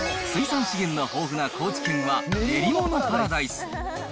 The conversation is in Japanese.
水産資源の豊富な高知県は、練り物パラダイス。